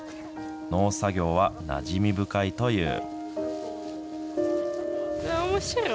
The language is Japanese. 農作業はなじみ深いという。